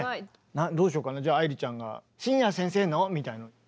どうしようかなじゃあ愛理ちゃんが「信也先生の！」みたいな。